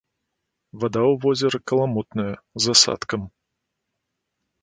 Вада ў возеры каламутная, з асадкам.